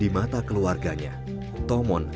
di mata keluarganya tomon memiliki kekuatan yang sangat baik